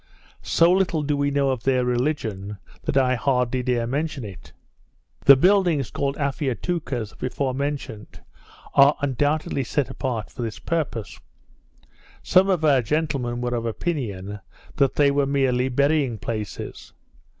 So little do we know of their religion, that I hardly dare mention it. The buildings called Afiatoucas, before mentioned, are undoubtedly set apart for this purpose. Some of our gentlemen were of opinion, that they were merely burying places.